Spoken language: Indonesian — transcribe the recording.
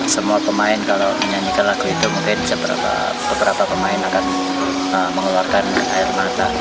semua pemain kalau menyanyikan lagu itu mungkin beberapa pemain akan mengeluarkan air mata